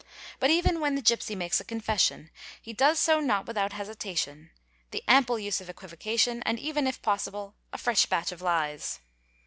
But even when the gipsy makes a confession, he does so not without hesitation, the ample use of equivocation, and even, if possible, a fresh batch of lies.